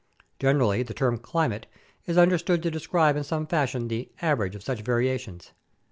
Generally the term "climate" is understood to describe in some fashion the "average" of such variations.